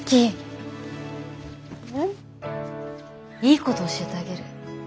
いいこと教えてあげる。